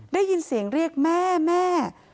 ได้ยินเสียงเรียกแม่แม่